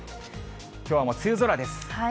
きょうも梅雨空です。